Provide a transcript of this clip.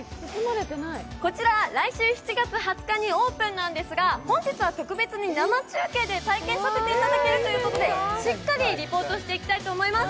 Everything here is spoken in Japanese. こちら来週７月２０日にオープンなんですが、本日は特別に生中継で体験させていただけるということでしっかりリポートしていきたいと思います。